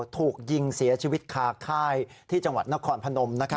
ถูกยิงเสียชีวิตคาค่ายที่จังหวัดนครพนม